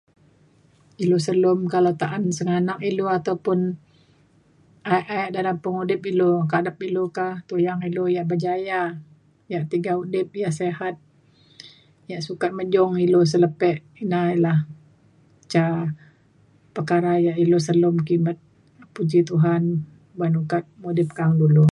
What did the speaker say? Ilu selum kalau ta’an sengganak ilu ataupun ae ae dalem pengudip ilu kadep ilu ka tuyang ilu yang berjaya yak tiga udip yak sehat yak sukat mejung ilu selepek. Ina lah ca perkara yak ilu selum kimet puji Tuhan ban ukat mudip ka’ang dulu.